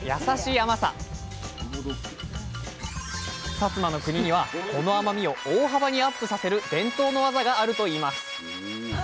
薩摩の国にはこの甘みを大幅にアップさせる伝統の技があるといいます。